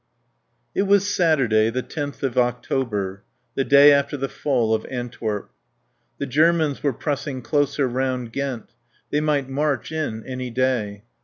XIV It was Saturday, the tenth of October, the day after the fall of Antwerp. The Germans were pressing closer round Ghent; they might march in any day.